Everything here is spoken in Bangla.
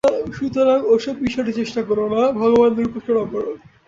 সুতরাং ও-সব বিষয়ের চেষ্টা কর না, ভগবানের উপাসনা কর।